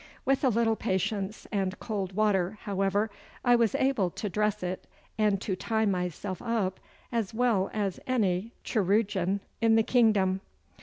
With a little patience and cold water, however, I was able to dress it and to tie myself up as well as any chirurgeon in the kingdom.